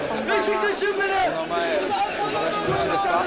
お名前お伺いしてもよろしいですか。